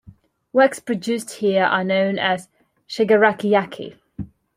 Works produced here are known as Shigaraki-yaki.